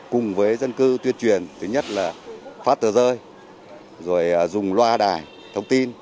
cùng với dân cư tuyên truyền thứ nhất là phát tờ rơi rồi dùng loa đài thông tin